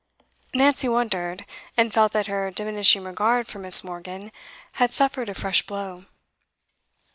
Nancy wondered, and felt that her diminishing regard for Miss. Morgan had suffered a fresh blow.